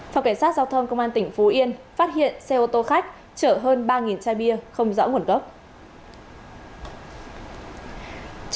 phòng cảnh sát giao thông công an tỉnh phú yên phát hiện xe ô tô khách chở hơn ba chai bia không rõ nguồn gốc